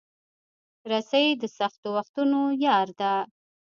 رسۍ د سختو وختونو یار ده.